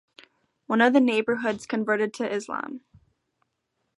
One of the neighbourhoods converted to Islam.